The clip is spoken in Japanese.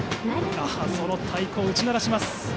太鼓を打ち鳴らします。